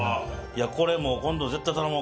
これもう今度絶対頼もう。